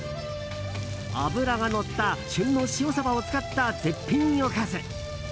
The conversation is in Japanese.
脂がのった旬の塩サバを使った絶品おかず。